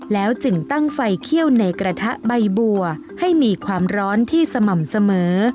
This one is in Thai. แล้วจึงตั้งไฟเขี้ยวในกระทะใบบัวให้มีความร้อนที่สม่ำเสมอ